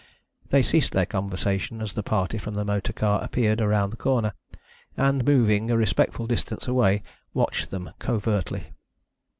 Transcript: They ceased their conversation as the party from the motor car appeared around the corner, and, moving a respectful distance away, watched them covertly.